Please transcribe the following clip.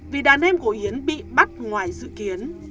vì đàn em của yến bị bắt ngoài dự kiến